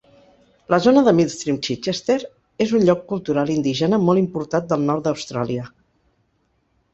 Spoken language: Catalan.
La zona de Millstream Chichester és un lloc cultural indígena molt importat del nord d'Austràlia.